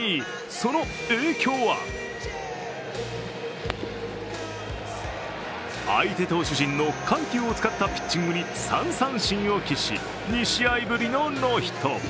その影響は相手投手陣の緩急を使ったピッチングに３三振を喫し、２試合ぶりのノーヒット。